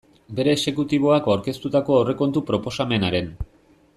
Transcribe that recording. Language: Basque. Bere exekutiboak aurkeztutako aurrekontu proposamenaren.